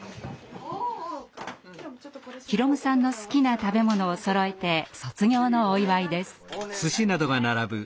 宏夢さんの好きな食べ物をそろえて卒業のお祝いです。